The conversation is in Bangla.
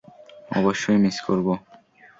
অবশ্যই মিস করবো।